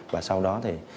và sau đó thì